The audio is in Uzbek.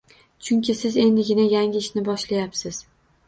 Chunki siz endigina yangi ishni boshlayapsiz.